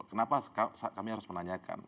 kenapa kami harus menanyakan